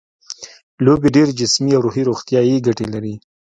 لوبې ډېرې جسمي او روحي روغتیايي ګټې لري.